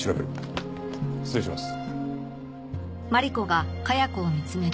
失礼します。